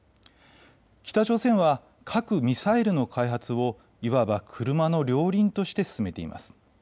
北朝鮮は核・ミサイルの開発をいわば車の両輪として進めています。